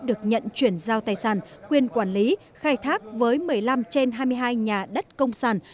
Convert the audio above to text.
được nhận chuyển giao tài sản quyền quản lý khai thác với một mươi năm trên hai mươi hai nhà đất công sản